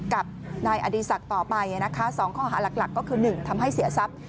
กับนายอดีศักดิ์ต่อไปนะคะ๒ข้อหาหลักก็คือ๑ทำให้เสียทรัพย์